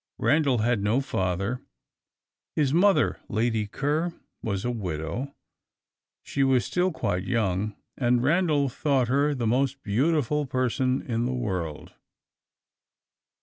Randal had no father; his mother, Lady Ker, was a widow. She was still quite young, and Randal thought her the most beautiful person in the world.